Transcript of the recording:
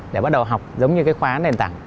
để bắt đầu học giống như cái khóa nền tảng